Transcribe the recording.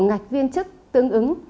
ngạch viên chức tương ứng